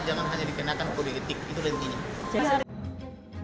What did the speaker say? jangan hanya dikenakan kode etik itu yang penting